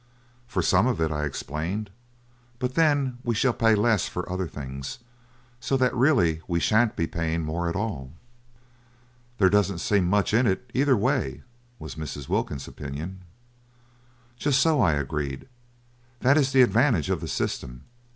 "For some of it," I explained. "But, then, we shall pay less for other things, so that really we shan't be paying more at all." "There don't seem much in it, either way," was Mrs. Wilkins' opinion. "Just so," I agreed, "that is the advantage of the system.